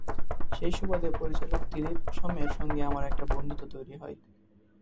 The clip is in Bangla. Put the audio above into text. সেই সুবাদে পরিচালক দিলীপ সোমের সঙ্গে আমার একটা বন্ধুত্ব তৈরি হয়।